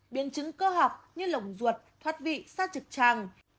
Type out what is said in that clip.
biên chứng cơ học như lồng ruột thoát vị xa trực tràng